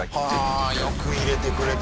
はぁよく入れてくれたね。